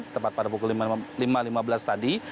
tepat pada pukul lima lima belas tadi